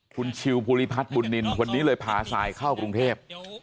คุณชิวภูริภัปุณธิ์เพชรคนนี้เลยพาซายเข้ากรุงเทพฯ